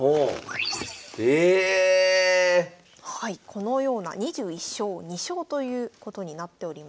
このような２１勝２勝ということになっております。